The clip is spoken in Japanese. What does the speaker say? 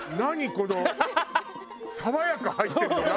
この爽やか入ってるの何？